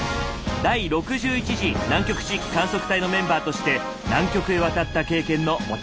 第６１次南極地域観測隊のメンバーとして南極へ渡った経験の持ち主です。